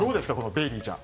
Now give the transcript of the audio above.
ベイリーちゃん。